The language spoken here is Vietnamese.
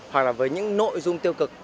hoặc là với những nội dung tiêu cực